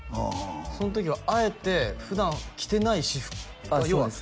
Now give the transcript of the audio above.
そん時はあえて普段着てない私服そうです